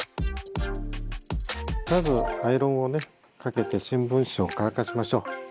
まずアイロンをかけて新聞紙を乾かしましょう。